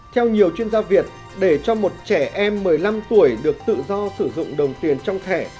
theo nhiều chuyên gia việt để cho một trẻ em một mươi năm tuổi được tự do sử dụng đồng tiền trong thẻ